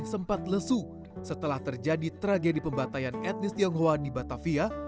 sempat lesu setelah terjadi tragedi pembatayan etnis tionghoa di batavia